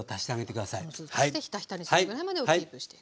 水を足してひたひたにするぐらいまでをキープしていくと。